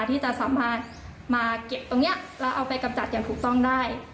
ที่จะสามารถมาเก็บตรงนี้แล้วเอาไปกำจัดอย่างถูกต้องได้